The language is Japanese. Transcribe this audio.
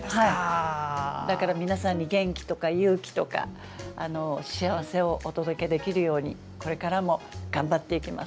だから、皆さんに元気や勇気とか幸せをお届けできるようにこれからも頑張っていきます。